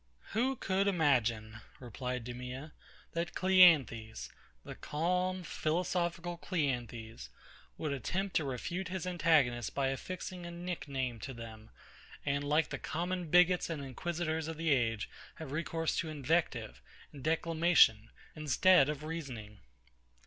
Who could imagine, replied DEMEA, that CLEANTHES, the calm philosophical CLEANTHES, would attempt to refute his antagonists by affixing a nickname to them; and, like the common bigots and inquisitors of the age, have recourse to invective and declamation, instead of reasoning?